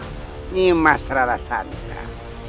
ini mas rara santan